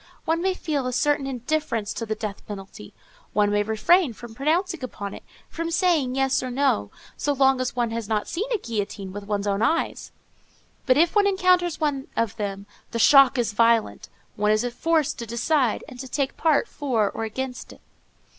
One may feel a certain indifference to the death penalty, one may refrain from pronouncing upon it, from saying yes or no, so long as one has not seen a guillotine with one's own eyes: but if one encounters one of them, the shock is violent; one is forced to decide, and to take part for or against.